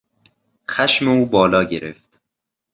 خشم او بالا گرفت.